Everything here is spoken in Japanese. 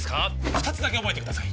二つだけ覚えてください